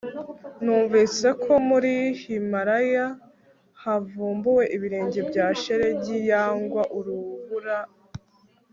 Numvise ko muri Himalaya havumbuwe ibirenge bya shelegi yangwa urubura